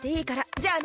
じゃあね！